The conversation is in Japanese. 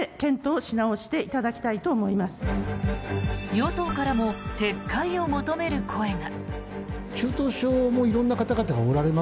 与党からも撤回を求める声が。